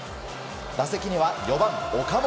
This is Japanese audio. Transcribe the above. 打席には４番、岡本。